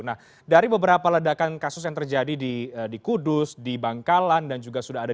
nah dari beberapa ledakan kasus yang terjadi di kudus di bangkalan di jawa tenggara